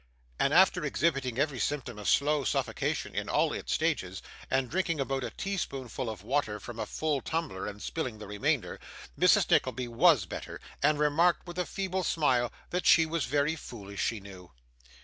And after exhibiting every symptom of slow suffocation in all its stages, and drinking about a tea spoonful of water from a full tumbler, and spilling the remainder, Mrs. Nickleby WAS better, and remarked, with a feeble smile, that she was very foolish, she knew.